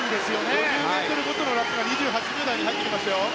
５０ｍごとのラップが２８秒台に入ってきましたよ。